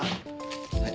はい。